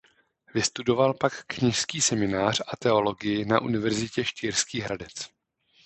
Vystudoval pak kněžský seminář a teologii na Univerzitě Štýrský Hradec.